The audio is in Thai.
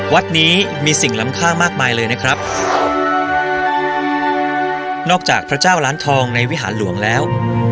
วัดนี้มีสิ่งล้ำข้างมากมายเลยนะครับนอกจากพระเจ้าล้านทองในวิหารหลวงแล้ว